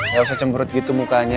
ya jangan cemberut gitu mukanya